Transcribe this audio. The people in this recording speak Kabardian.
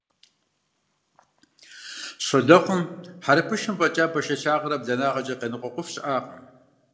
Щолэхъум хьэрыпышым фӀэкӀа бэшэчыгърэ, бланагъкӀэ къеныкъуэкъуф щыӀакъым.